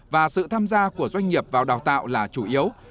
và sự tham gia của doanh nghiệp vào đào tạo là chủ yếu